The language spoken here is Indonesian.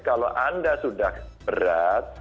kalau anda sudah berat